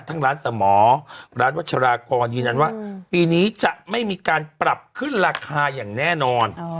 ทั้งร้านสมอร้านวัชรากรยืนยันว่าปีนี้จะไม่มีการปรับขึ้นราคาอย่างแน่นอน